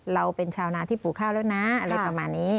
เราเป็นชาวนาที่ปลูกข้าวแล้วนะอะไรประมาณนี้